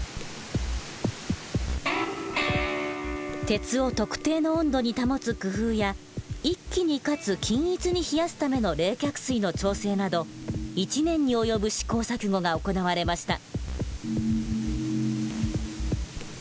鉄を特定の温度に保つ工夫や一気にかつ均一に冷やすための冷却水の調整など１年に及ぶ試行錯誤が行われました。